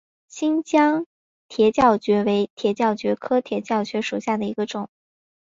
新疆铁角蕨为铁角蕨科铁角蕨属下的一个种。